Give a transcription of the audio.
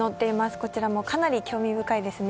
こちらもかなり興味深いですね。